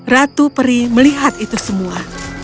ratu peri melihat itu semua